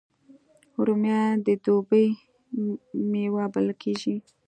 رومیان د دوبي میوه بلل کېږي